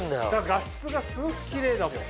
画質がすごくキレイだもん。